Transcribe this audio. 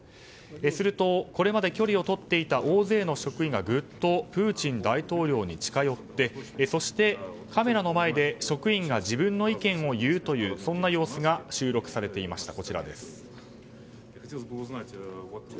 すると、これまで距離をとっていた大勢の職員がグッとプーチン大統領に近寄ってそしてカメラの前で職員が自分の意見を言うというそんな様子が収録されていました。